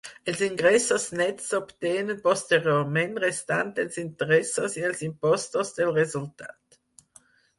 Els ingressos nets s'obtenen posteriorment restant els interessos i els impostos del resultat.